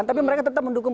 tapi mereka tetap mendukung